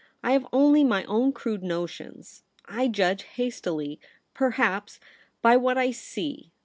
I have only my own crude notions. I judge hastily, perhaps, by what I see.